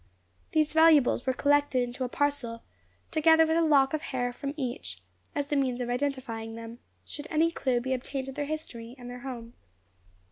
These valuables were collected into a parcel, together with a lock of hair from each, as the means of identifying them, should any clue be obtained to their history and their home.